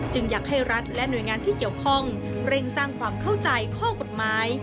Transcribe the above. อยากให้รัฐและหน่วยงานที่เกี่ยวข้องเร่งสร้างความเข้าใจข้อกฎหมาย